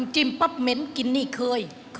จิ้มปั๊บเหม็นกินนี่เคย